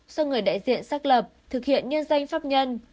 do người đại diện xác lập thực hiện nhân danh pháp nhân